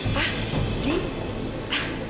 pak pak ini